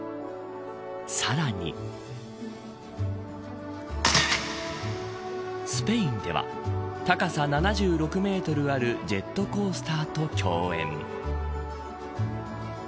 さらにスペインでは高さ７６メートルあるジェットコースターと競演。